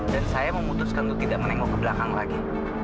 dan saya memutuskan untuk tidak menengok ke belakang lagi